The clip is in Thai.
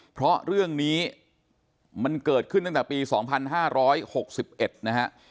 เพราะเรื่องนี้มันเกิดขึ้นตั้งแต่ปี๒๕๖๑นะฮะ